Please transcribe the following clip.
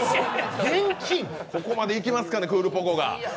ここまでいきますかね、クールポコが。